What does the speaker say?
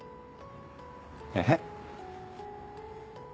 えっ？